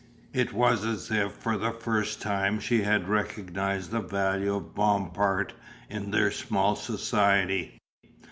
It was as if for the first time she had recognized the value of Bompard in their small society.